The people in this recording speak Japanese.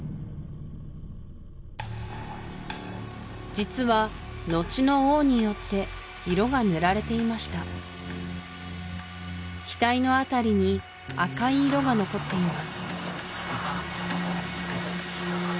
実はのちの王によって色が塗られていました額のあたりに赤い色が残っています